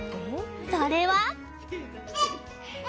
それは。